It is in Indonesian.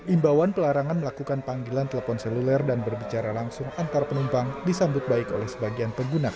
imbauan pelarangan melakukan panggilan telepon seluler dan berbicara langsung antar penumpang disambut baik oleh sebagian pengguna